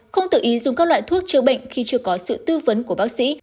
không tự ý dùng các loại thuốc chữa bệnh khi chưa có sự tư vấn của bác sĩ